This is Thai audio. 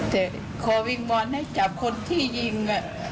แต่ขอวิงวอนให้จับคนที่ยิง